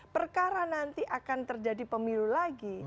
perkara nanti akan terjadi pemilu lagi